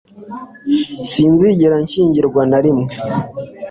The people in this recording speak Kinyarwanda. sinzigera nshyingirwa na rimwe